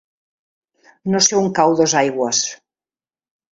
No sé on cau Dosaigües.